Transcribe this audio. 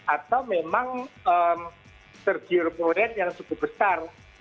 atau memang tergiruk mulia yang cukup besar